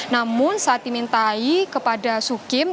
namun saat dimintai kepada sukim